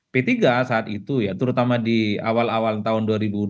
p tiga saat itu ya terutama di awal awal tahun dua ribu dua puluh